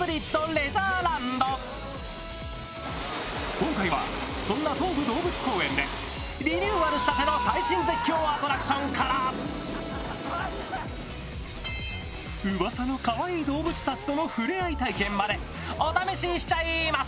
今回はそんな東武動物公園でリニューアルしたての最新絶叫アトラクションからうわさのかわいい動物たちとの触れ合い体験までお試ししちゃいます。